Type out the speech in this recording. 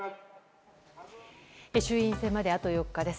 衆院選まで、あと４日です。